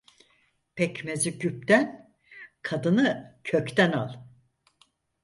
Pekmezi küpten, kadını kökten al.